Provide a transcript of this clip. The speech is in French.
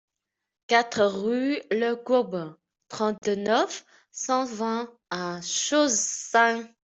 quatre rue Lecourbe, trente-neuf, cent vingt à Chaussin